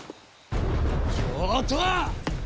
上等！